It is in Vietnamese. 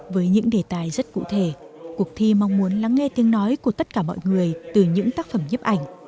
với những đề tài rất cụ thể cuộc thi mong muốn lắng nghe tiếng nói của tất cả mọi người từ những tác phẩm nhiếp ảnh